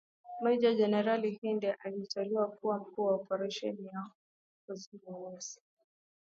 Meja Jenerali Hinde aliteuliwa kuwa mkuu wa oparesheni ya kuzima uasi